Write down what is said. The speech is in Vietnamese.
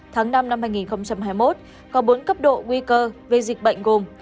tháng năm năm hai nghìn hai mươi một có bốn cấp độ nguy cơ về dịch bệnh gồm